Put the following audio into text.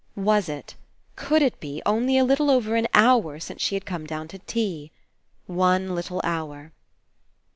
Was It, could it be, only a little over an hour since she had come down to tea? One little hour.